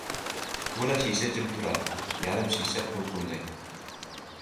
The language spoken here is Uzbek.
• To‘la shisha jim turadi, yarim shisha qulqullaydi.